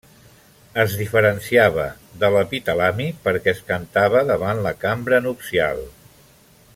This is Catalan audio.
Es diferenciava de l'epitalami perquè es cantava davant la cambra nupcial.